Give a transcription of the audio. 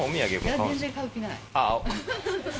いや、全然買う気ない。